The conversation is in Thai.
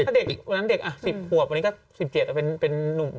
ถ้าเด็ก๑๐โคมวันนี้ก็๑๗เป็นนุเม้ม